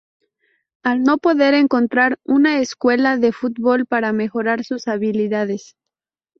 Al no poder encontrar una escuela de fútbol para mejorar sus habilidades.